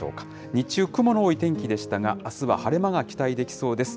日中、雲の多い天気でしたが、あすは晴れ間が期待できそうです。